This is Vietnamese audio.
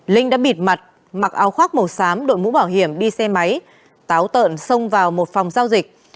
linh đã bịt mặt mặc áo khoác màu xám đội mũ bảo hiểm đi xe máy táo tợn xông vào một phòng giao dịch